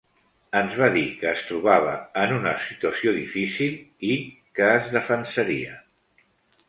Ens va dir que es trobava en una situació difícil i que es defensaria.